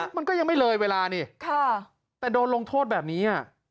มันก็ยังไม่เลยเวลานี่แต่โดนลงโทษแบบนี้